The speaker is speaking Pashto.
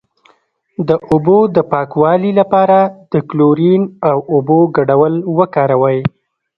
د اوبو د پاکوالي لپاره د کلورین او اوبو ګډول وکاروئ